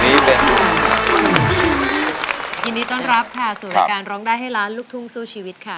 ยินดีต้อนรับค่ะสู่รายการร้องได้ให้ล้านลูกทุ่งสู้ชีวิตค่ะ